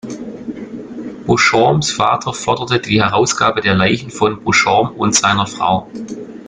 Beauchamps Vater forderte die Herausgabe der Leichen von Beauchamp und seiner Frau.